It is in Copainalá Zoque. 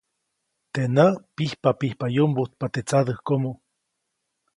Teʼ näʼ pijpapijpa yumbujtpa teʼ tsadäjkomo.